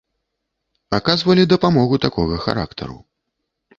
Аказвалі дапамогу такога характару.